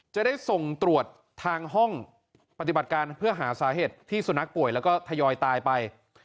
จะได้ส่งตรวจทางห้องปฏิบัติการเพื่อหาสาเหตุที่สุนัขป่วยแล้วก็ทยอยตายไป